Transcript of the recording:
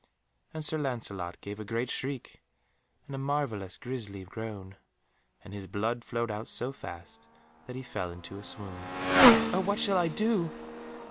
And Sir Lancelot gave a great shriek, and a marvellous grisly groan, and his blood flowed out so fast that he fell into a swoon. "Oh what shall I do?"